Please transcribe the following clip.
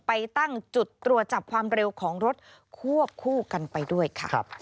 ไปตั้งจุดตรวจจับความเร็วของรถควบคู่กันไปด้วยค่ะ